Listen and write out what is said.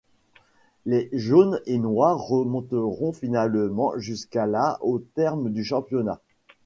Les jaune et noir remonteront finalement jusqu’à la au terme du championnat.